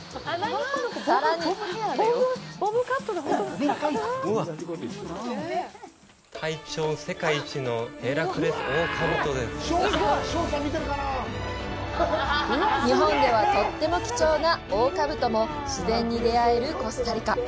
さらに日本ではとっても貴重なオオカブトも自然に出会えるコスタリカ。